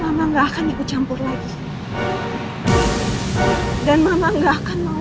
mama juga akan angkat tangan dari semua masalah kamu